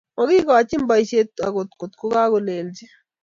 makikochi boisie akot ko kakokelchi